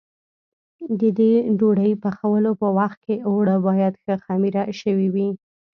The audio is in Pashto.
د دې ډوډۍ پخولو په وخت کې اوړه باید ښه خمېره شوي وي.